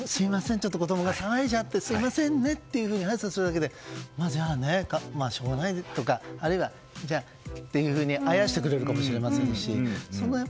ちょっと子供が騒いじゃってとあいさつするだけでじゃあ、しょうがないねとかあるいはあやしてくれるかもしれませんし。